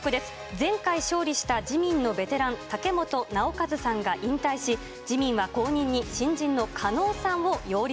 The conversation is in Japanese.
前回勝利した自民のベテラン、竹本直一さんが引退し、自民は後任に新人の加納さんを擁立。